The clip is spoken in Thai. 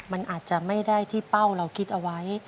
มันอาจจะไม่ได้ที่เป้าเราคิดเอาไว้